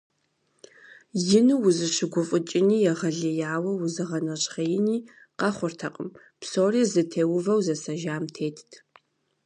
Ину узыщыгуфӏыкӏыни егъэлеяуэ узыгъэнэщхъеини къэхъуртэкъым, псори зытеувэу зэсэжам тетт.